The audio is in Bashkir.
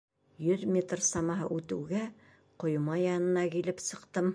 Йөҙ метр самаһы үтеүгә ҡойма янына килеп сыҡтым.